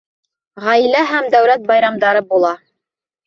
Ғаилә һәм дәүләт байрамдары була